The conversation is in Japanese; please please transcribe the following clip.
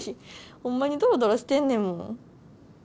ホンマにドロドロしてんねんもん。